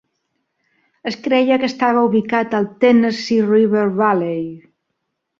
Es creia que estava ubicat al Tennessee River Valley.